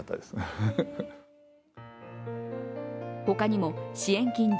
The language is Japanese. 他にも支援金